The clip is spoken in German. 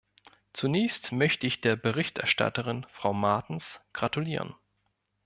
Zunächst möchte ich der Berichterstatterin, Frau Martens, gratulieren.